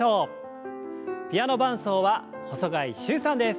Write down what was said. ピアノ伴奏は細貝柊さんです。